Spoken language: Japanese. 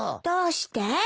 どうして？